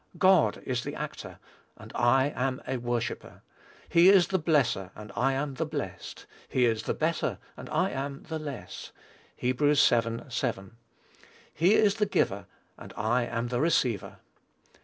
God is the actor, and I am a worshipper; he is the blesser, and I am the blessed; he is "the better," and I am "the less;" (Heb. vii. 7;) he is the giver, and I am the receiver.